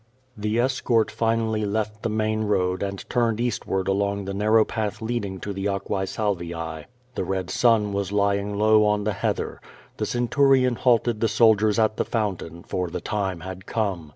The escort finally left the main road and turned eastward along the narrow path leading to the Aquae Salviae. The red sun was lying low on the heather. The centurion halted the soldiers at the fountain, for the time had come.